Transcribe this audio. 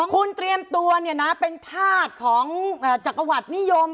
คุณเตรียมตัวเป็นธาตุของจักรวรรดินิยม